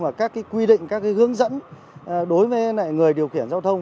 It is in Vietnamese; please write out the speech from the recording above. và các cái quy định các cái hướng dẫn đối với người điều khiển giao thông